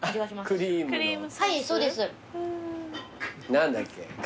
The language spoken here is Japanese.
何だっけ。